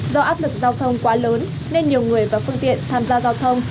do áp lực giao thông quá lớn nên nhiều người và phương tiện tham gia giao thông